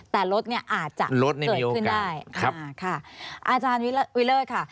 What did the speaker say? แต่ลดเนี้ยอาจจะลดไม่มีโอกาสขึ้นได้ครับค่ะอาจารย์วิลเลิศค่ะ